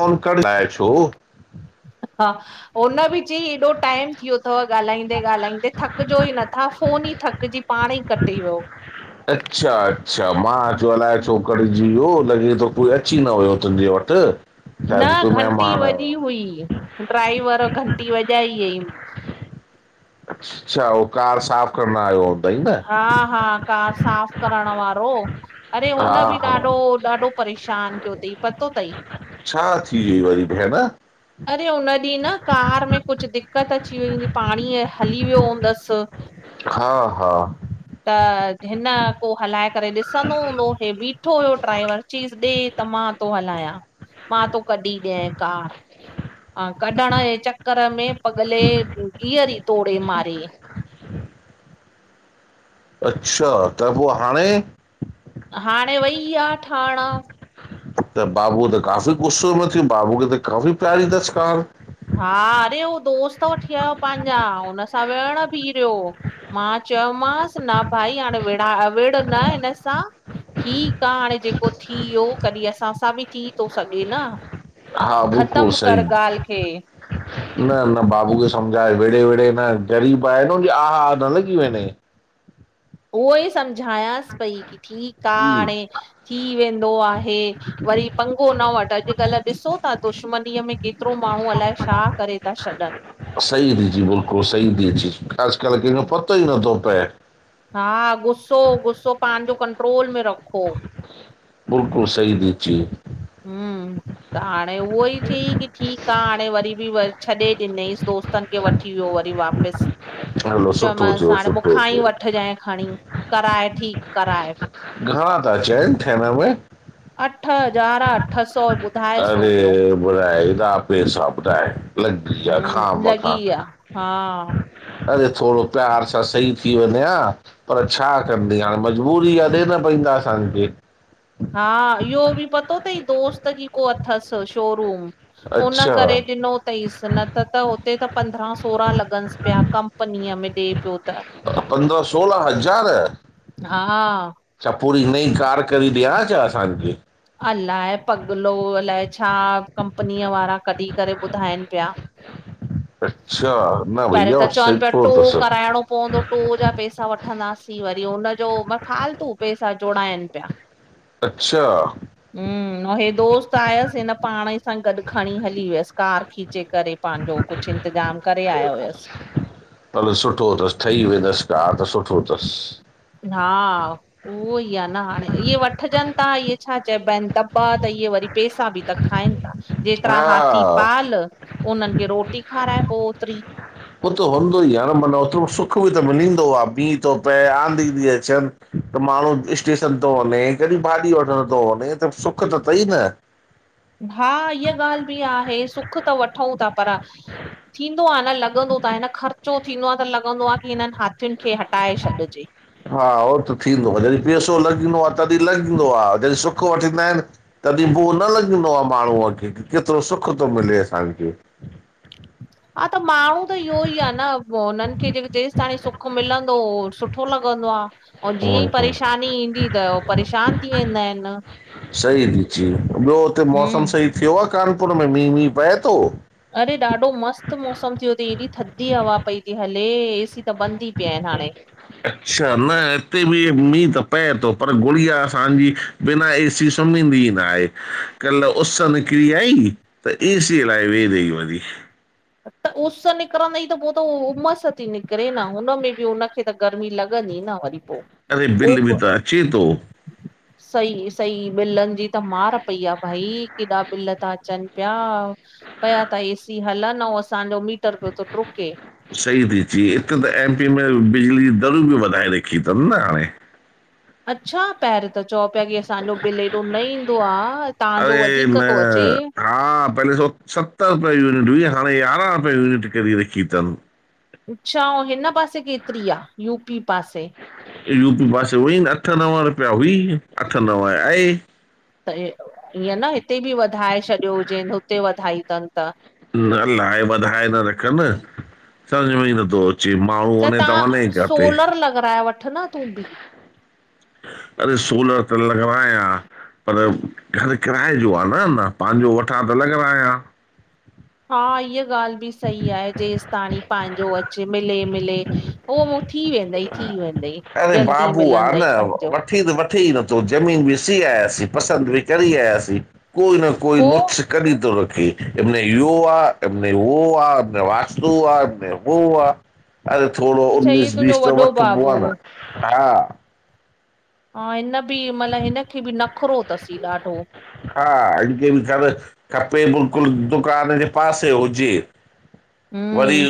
Phone कर लाए छो? [unintelligible] हा [unintelligible] हुन बि चयईं एॾो टाइम थियो अथव ॻाल्हाईंदे- ॻाल्हाईंदे, थकिजो ई नथा फोन ई थकिजी पाण ई कटी वियो अच्छा- अच्छा मां चो जो अलाए छो कटिजी वियो, लॻे थो कोई अची न वियो तुंहिंजे वटि न शायदि कोई घंटी महिमान आयो वॼी हुई, ड्राइवर घंटी वॼाई हुईं अच्छा, उहो कार साफ़ करण आयो त हूंदई न? हा हा कार साफ़ करण वारो, अड़े हा हुन बि हा ॾाढो- ॾाढो परेशान कियो तईं, पतो त ई छा थी वई वरी भेण अड़े हुन ॾींहुं न कार में कुझु दिक़त अची वई हूंदी, पाणी हली वियो हूंदसि हा हा त हिन को हलाए करे ॾिसंदो हूंदो, हे बीठो हुयो ड्राइवरु, चयईंसि ॾे त मां थो हलायां, मां तो कढी ॾियांई कारु अं, कढण जे चक्कर में पॻले ॻीअर ई तोड़े मारियंई अच्छा, त पो हाणें? हाणें वई आ ठहिणं त बाबू त काफ़ी गुस्सो में थी, बाबूअ खे त काफ़ी प्यारी तसि कार हा अरे हो दोस्त वठी आयो पांजा हुन सां विहंण बि रहियो मां चयोमांसि न भाई हांणे विड़ा विड़ न हिन सां ठीक आ हाणे जेको थी वियो कॾीहिं असां सां बि थी तो सघे न ख़तम कर गाल्हि खे ह [inaudible] न न बाबू खे सम्झाए विड़े- विड़े न ग़रीब आहे न हुन्जी आह- आह न लॻी वंञें उहो ई सम्झायांसि पई की ठीक आ हम्म। हाणें थी वेंदो आहे वरी पंगो न वठि, अॼुकल्ह ॾिसो ता दुश्मनीअ में केतिरो माण्हूं अलाए छा करे ता छॾनि सही ती चीं बिल्कुलु सही ती चीं अज़ुकल्ह कंहिंजो पतो ई नथो पए हा गुस्सो -गुस्सो पांजो कंट्रोल में रखो बिल्कुलु सही ती चीं हम्म, त हाणे उहो ई च्यंईं की ठीक आ हाणे वरी बि व छॾे ॾिनईसि दोस्तनि खे वठी वियो वरी वापिस हलो सुठो चयोमांस थियो हाणे सुठो मुखां ई थियो वठिजांइ खणीं कराए ठीक कराए घणां ता चयनि थियण में अठ हज़ार अ अरे ॿुराए हेॾा पैसा ॿुधाए लॻी या हम्म खामखां लॻी विया हा। अरे थोड़ो प्यार सां सही थी वंञें हां पर छा कंदी हाणे? मजबूरी आ ॾेणां पईंदा असांखे। हा, इह्यो बि पतो तई दोस्त जी को अथसि शोरूम हुन अच्छा करेे ॾिनो तईंसि न त त हुते त पंद्रहां सोरहां लॻंस पिया कंपनीअ में ॾे पियो त पंद्रहां सोलह हज़ार? हा छा पूरी नई कार करी ॾे हां छा असांखे? अलाए पगिलो, अलाए छा कंपनीअ वारा कढी करे ॿुधाइनि पिया। अच्छा, न भईया हो सही थोड़ तस। णो पवंदो। पोजा पैसा वठंदासीं वरी हुनजो मल फालतू पैसा जोड़ाइनि पिया। अच्छा हम्म, अंउं हे दोस्त आयसि हिन पांणई सां गॾु खणीं हली वियसि कार खीचे करे। पांजो कुछु इंतिज़ाम करे आया हुयसि हलु सुठो तसि ठही वेंदसि कार त सुठो तसि। हा उहो ई आ न हांणे इह्ये वठिजनि ता इह्ये छा चइबा इनि दॿा त इह्ये वरी पैसा बि त खाइनि ता, जेतिरा हा हाथी उहो पाल उन्हनि खे रोटी खाराए पो ओतिरी। हो त हूंदो ई आ न मन ओतिरो सुख बि त मिलींदो आ मीहुं तो पए, आंधी ती अचनि त माण्हूं स्टेशन तो वंने, कॾी भाॾी वठणं तो वने त सुख त तई न। हा, इह्य ॻाल्हि बि आहे सुख त वठंउं ता पर थींदो आ न, लॻंदो त आहे न ख़र्चो थींदो आ त लॻंदो आ की हिननि हाथियुनि खे हटाए छॾिजे। हा, उहो त थींदो आहे। जॾहिं पैसो लॻंदो आ तॾहिं लॻंदो आ। जॾहिं सुख वठंदा आहिनि। तॾहिं उहो न लॻंदो आ, माण्हूअ खे की केतिरो सुख थो मिले असांखे। हा, त माण्हू त इहो ई आ न पो हुननि खे जेक जेसि ताणी सुख मिलंदो हो सुठो सुठो लॻंदो आं। औं जीअं ई परेशानी ईंदी त ओ परेशान थी वेंदा आहिनि। सई थी। जी ॿियो हुते हूं मौसम सही थियो आ? कानपुर में मींहुं, वींहुं पए थो? अड़े ॾाढो मस्तु मौसमु थियो अथई। हेएॾी थधी हवा पई थी हले ए सी त बंदि ही पिया आहिनि हाणे। अच्छा न हिते बि मींहु त पए थो। पर गुड़िया असांजी बिना ए सी सुम्हींदी ई न आहे। कल्ह उस निकिरी आई। त ए सी हलाइ वेही रही वरी। त उस निकिरंदे ई त पोइ त उह उमसि थी निकिरे न उनमें बि उनखे त गर्मी लॻंदी न वरी पो। अरे बिल बि उब त अचे तो। सही सही, बिलनि जी त मार पई आ भई केॾा बिल ता अचनि पिया। पया त ए सी हलनि, अऊं असांजो मीटर पयो थो डरूके। सही थी चई, हिते त एम पी में बिजली दरो बि वधाए रखी अथनि न हाणे। अच्छा पहिरू त चौ पया कि असांजो बिल एॾो न ईंदो आं। अरे तव्हांजो वधीक न तो अचे। हा, पहले सत रुपये यूनिट हुई हाणे यारहं रुपया यूनिट करी रखी अथनि। अच्छा, ऐं हिन पासे केतिरी आ? यूपी पासे? यू पी पासे हुई न अठ नव रुपया हुई। अठ नव आहे। त ईअं न हिते बि वधाए छॾियो हुजेनि? हुते वधाई अथनि त? न अलाए वधाए न रखनि समझ में ई नथो अचे। जी माउ त तव्हां सोलर लॻाराए वठ ना तूं बि। अरे सोलर त लॻराया पर घर किराए जो आ न, न पंहिंजो वठां त लॻाराायां। हा, इहा ॻाल्हि बि सही आहे जेसि ताणी पंहिंजो अचे मिले मिले। उहो थी वेंदई थी वेंदई अरे जल्दी बाबू आहे मिलंदई न पंहिंजो। वठी त वठी ई नथो ज़मीन ॾीसी आयासीं पसंदि बि कर आयासीं कोई न कोई पोइ नुक्खस कढी थो रखे आहेम उहो आहेम वास्तू आहेम हूह आहे। अरे थोरो अच्छा इहो उनीस तुंहिंजो बीस त वॾो वठठ बो बाबू आहे न हा। हा हिन बि मला हिनखे बि नखरो अथसि ॾाढो? हा इनकरे भी [unintelligible] खपे बिल्कुलु दुकान जे पासे हुजे। वरी हम्म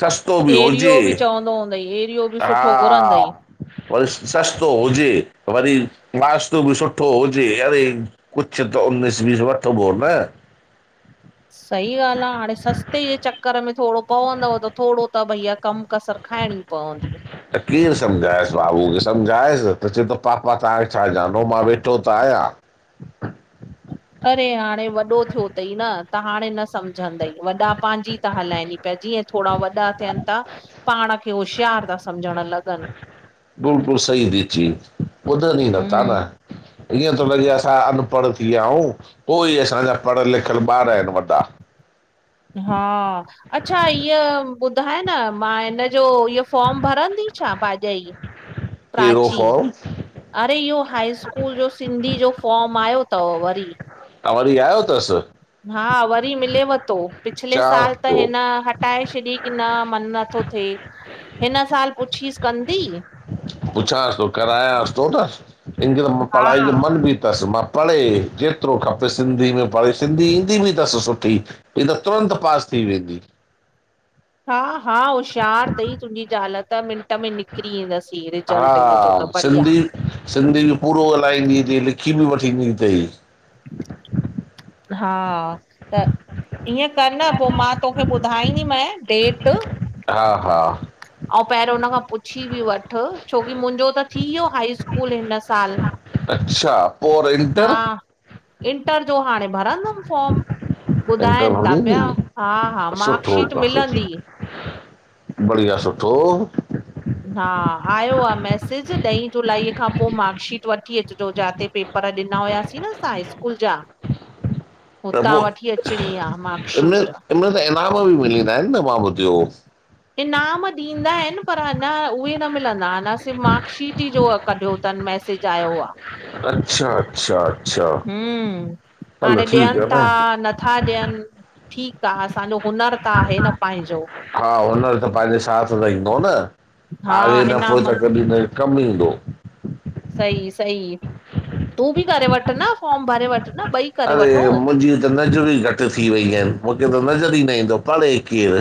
सस्तो बि एरियो हुजे। [inaudible] हा। घुरंदई वरी सस्तो हुजे वरी नास्तो बि सुठो हुजे। अरे। कुछु त उनस बीस वठ बो न। सही ॻाल्हि आहे हाणे सस्ते जे चक्कर में थोरो पवंदव त थोरो त भईया गम कसर खाइणी पवंदी आ। त केइ समझाया बाबू खे समझायसि त चवे थो पापा तव्हांखे छा जानो मां वेठो त आहियां। अरे हाणे वॾो थियो अई न, त हाणे न समझंद, वॾा पंहिंजी। त हलाइन पहीजी पिया जीअं थोरा वॾा थियन था। पाण खे होशियार था समझ न लॻन। बिल्कुल सही थी चयी ॿुधन ई नथा न। हम्म ईअं थो लॻे असां अनपढ़ थी विया आहियूं। उई असांखा पढ़ियल, लिखियल, ॿार ईन वॾा। हा अच्छा इअ ॿुधाए न मां हिनजो इह- - फॉम भरंदी छा भाॼई कहिड़ो प्राची। फॉर्म अरे इहो हाई स्कूल जो सिंधी जो फॉर्म आयो 'त'अथव वरी। हा वरी आयो तस। हा वरी मिलेव थो पिछले साल चवांसि त थो हिन- - पटाए छॾी की न मन नथो थिए हिन साल पुछीसि कंदी। पुछांस थो करायाांस थो न हिननखे त मां हा पढ़ाई जो मन बि तस मां। पढ़े जेतिरो खपे सिंधी में पढ़े सिंधी ईंदी बि तस सुठी। हीअ त तुरंत पास थी वेंदी। हा हा होशियार तई तुंहिंजी जाल त म- - मीनट में निकिरी ईेंदसि हा रिजल्ट हिनन जो त बढ़िया। सिंधी सिंधी बि पूरो ॻाल्हाईंदी तई लिखी बि वठींदी तई। हा त ईअं कर पोइ मां तोखे ॿुधाईंदीमांै डेट। हा -हा। ऐं पहिरियों हुन खां पुछी बि वठ छोकी मुंहिंजो त थी वियो हाई स्कूल हिन साल? अच्छा, पोइर हा इंटर- - इंटर जो हाणे भरंदो, फॉम इंटर ॿुधाइन था भरी पिया ईंदी हा -हा सुठो मार्कशीट काफ़ी मिलंदी। बढ़िया, सुठो। हा आयो आहे मैसेज ॾहीं जुलाई खां पोइ मार्कशीट वठी अचिजो जिते पेप- - पर ॾिना हुआसीं न असां स्कूल जा। [inaudible] हुतां वठी अचणी आहे मार्कशीट। इनमल त इनाम बि मिलीं वेदा आहिनि न मां बुइधो हों। इनाम ॾींदा आहिनि पर अञा उहे न मिलंदा अञा सिर्फ मार्कशीट ई जो कढियो तन मैसेज। चायो आ। अच्छा, अच्छा। हम्म हलो हाणे ठीकु ॾियनि आहे था न - - ना ॾियनि ठीकु आहे असांजो हुनरु त आहे न पाहिंजो। हा हुनर त पाहिंजे साथ र ईंदो न हा आरे दफ़ो त इनामनि कॾहिं न। कम ईंदो। सई -सई तूं बि करे वठ न, फॉर्म भरे वठ न ॿई। करे अड़े वठो मुंहिंजी त नज़र ई घटि थी वई आहिनि मूंखे त नज़र ई न ईंदो परढ़े केरु।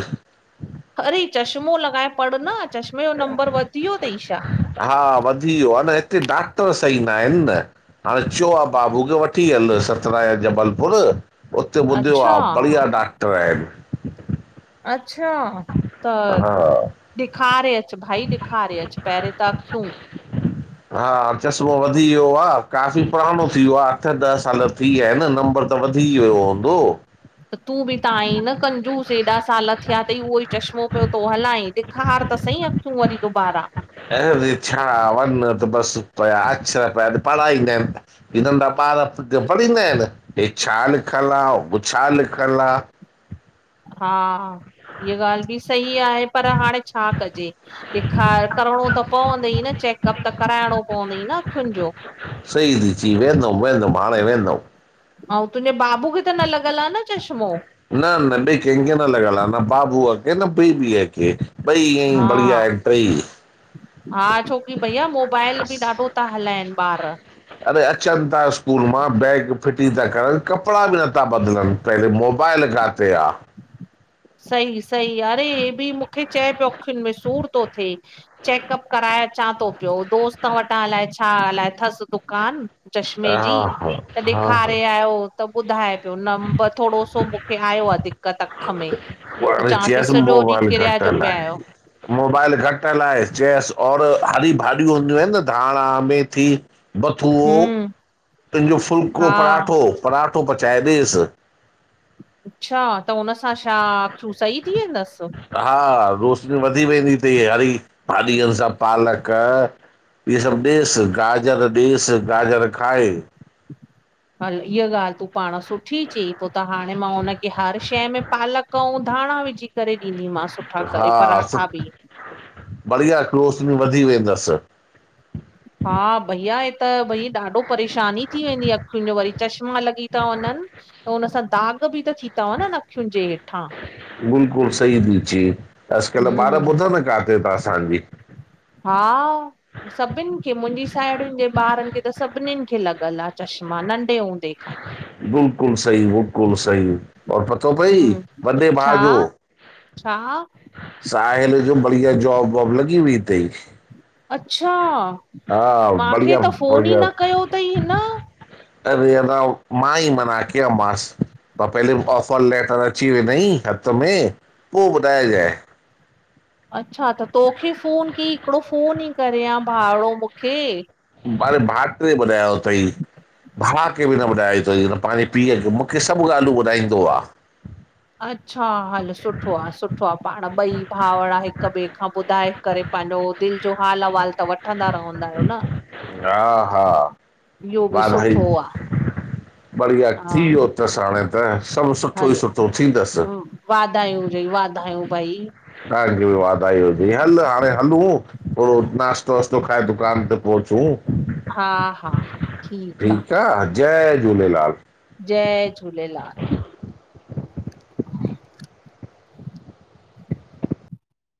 अड़े चश्मो लॻाए प़ड़ न, चश्मे जो नंबर वधी वियो तई छा। हा वधी वियो आ न हिते डॉक्टर सही न आयन न। हाणे चओ आहे बाबू खे वठी हल सतना या जबलपुर। उते ॿुधियो अच्छा आहे बढ़िया डॉक्टर आहिनि। अच्छा, त। हा ॾेखारे अच भाई ॾेखारे अच भाई पहिरियों त अखियूं। हा चश्मो वधी वियो आहे काफ़ी पुराणो थी वियो आहे अठ ॾह साल थी विया आहिनि नंबर त वधी वियो हूंदो? त तूं बि त आईीं न कंजूस एॾा साल थिया त उहो ई चश्मो पियो थो हलाई ॾेखार त सही अखूं वरी दुबारा। अरे, छा वञ त बसि पया अक्षर पिया पढ़ाईंदा आहिनि। हिन नंढा ॿार न पडींदा आहिनि हे छा लिखलु आ? हू छा लिखलु आ? हा, हीअ ॻाल्हि बि सही आहे पर हाणे छा कजे। ॾेखार करिणो त पवंदई न चेकअप त कराइणो पवंदई न अख़ियुनि जो। सही थी च ई वेंदम- वेंदम हाणे वेंदम। ऐं तुंहिंजे बाबू खे त न लॻल आ। न चश्मो? न-न बियो कंहिंखे न लॻल आहे न बाबूअ खे न बीबीअ खे। ईय ई हा बढ़िया आहिन ट ई। हा छोकी भईया मोबाइल बि ॾाढो था हलाइनि ॿार। अरे अचनि था स्कूल मां बैग फिटी था करनि कपिड़ा बि नथा बदिलनि पहिले मोबाइल बायल काते आहे? सही- सही अरे हे बि मूंखे चए पियो अखियुनि में सूर थो थिए। चेकअप कराए अचां थो पियो दोस्त वटां अलाए छा अलाए अथसि दुकान? चश्मे जी हा हा त हा ॾेखारे आयो। त ॿुधाए पियो नब थोडो सो मूंखे आयो आहे दिक़त अखि में। पो त हाड़े चांस पई चेसि सॼो ॾींहुं मोबाइल किरिया घटल जो पिया हलाय आहियो मोबाइल घटिल चेसि और हरी भाॼियूं हूंदियूं आहिनि न धाणा मेथी बथूओ हम्म। उनजो फुल्को हा पराठो पराठो पचाए ॾेसि। अच्छा त हुन सां छा तूं सही थी वेंदसि? हा रोशनी वधी वेंदी अथई हरी भाॼहनि सां पालक इहे सभु ॾेसि गाजर ॾेसि गाजर खाए। हल इहा ॻाल्हि तूं पाण सुठ सुठी चई पोइ त हाणे मां हुनखे हर शइ में पालक ऐं धाणा विझी करे ॾींदीमांस। सुठा करे हा पराठा बि। बढ़िया रोशनी वधी वेंदसि। हा भईया हे त भई ॾाढो परेशानी थी वेंदी अखियुनि जो वरी चश्मा लॻी था वञनि। त हुन सां दाग बि त थी था वञन अखियुनि जे हेठां। बिल्कुलु सही थी च ई अॼुकल्ह ॿार हम्म ॿुधनि किथे ता असांजी। हा। सभिनि खे मुंहिंजी साहेड़िययुनि जे ॿारनि खे त सभिननिनि खे लॻल आहे चश्मा नंढे हूंदे खां ई। बिल्कुलु सही बिल्कुलु सही औ पत त भई हम्म बॾे छा भाग जो छा साहिल जे बढ़िया जॉब वॉब लॻी वई तई। अच्छा मूंखे बढ़िया त फ़ोन ई बढ़िया न कयो अथई हिन। अरे अ मां ई मना कयो मांस। त पहिले ऑफर लैटर अची वेंनई हथु में, पोइ ॿुधाइजाए। अच्छा त तोखे फ़ोन कई, हिकिड़ो फ़ोन ई करियां भावड़ो मूंखे भाई भाटरे ॿुधायो अथई भाअ खे बि न ॿुधायो अथई, पंहिंजे पीअ खे, मूंखे सभु ॻाल्हियूं ॿुधाईंदो आहे। अच्छा हल सुठो आहे, सुठो आहे, पाण ॿई भाउर हिक ॿिए खां ॿुधाए करे, पंहिंजो दिल जो हाल अवालु त वठंदा रव्हंदा आहियो न, हा हा इह्यो बि वाधाई सुठो आ। बढ़िया हा थी यो तसि हाणें त, सभु सुठो ई हल सुठो थींदसि। वाधायूं हुजई वाधायूं भई तहांखे बि वाधाई हुजई, हलु हाणें हलूं थोड़ो नाश्तो वाश्तो खाए, दुकान ते पहुँचूं। हा हा हा ठीक आ, जय झूलेलाल। जय झूलेलाल। [inaudible]